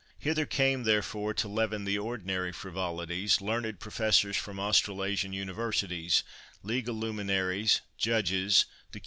Hither came, therefore, to leaven the ordinary frivolities, learned professors from Australasian universities, legal luminaries, judges, the Q.